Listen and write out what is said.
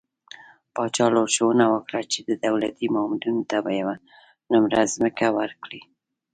پاچا لارښوونه وکړه چې د دولتي مامورينو ته به يوه نمره ځمکه ورکړي .